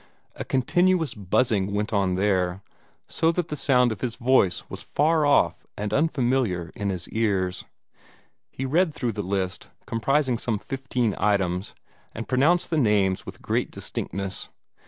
A continuous buzzing went on there, so that the sound of his voice was far off and unfamiliar in his ears. He read through the list comprising some fifteen items and pronounced the names with great distinctness.